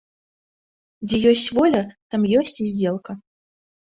Дзе ёсць воля, там ёсць і здзелка.